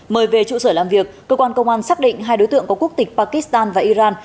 mời về trụ sở làm việc cơ quan công an xác định hai đối tượng có quốc tịch pakistan và iran